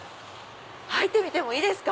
入ってみてもいいですか？